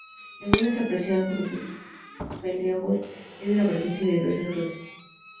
La zona es apreciada por los espeleólogos debido a la presencia de diversas grutas.